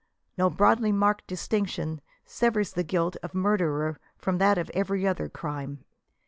No broadly marked distinction severs the guilt of murder from that of every other crime.